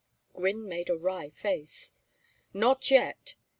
Gwynne made a wry face. "Not yet.